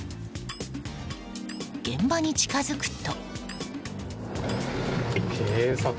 現場に近づくと。